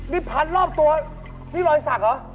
นี่พันรอบตัวนี่รอยสักเหรอ